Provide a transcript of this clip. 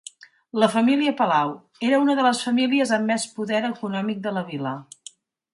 La família Palau, era una de les famílies amb més poder econòmic de la vila.